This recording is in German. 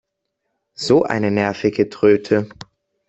So eine nervige Tröte!